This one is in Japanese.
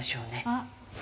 あっ。